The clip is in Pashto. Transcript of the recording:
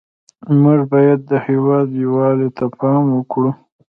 موږ باید د هېواد یووالي ته پام وکړو